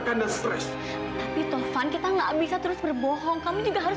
kalau kamu berbohong terus